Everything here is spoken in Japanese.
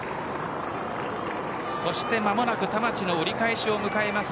間もなく田町の折り返しを迎えます。